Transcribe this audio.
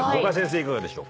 いかがでしょう？